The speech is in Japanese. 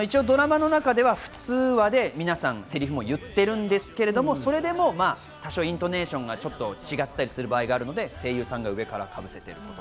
ドラマの中では普通話で皆さん、せりふも言ってるんですけれども、それでも多少イントネーションがちょっと違ったりする場合があるので、声優さんが上からかぶせている。